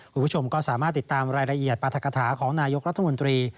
คุณผู้ชมก็สามารถติดตามรายละเอียดปรัฐกฐาของนายกรัฐมนตรี